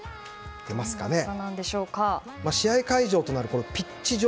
試合会場となるピッチ場